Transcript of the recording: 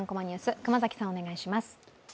熊崎さん、お願いします。